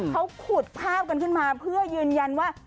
เขาขุดภาพกันขึ้นมาเพื่อยืนยันว่า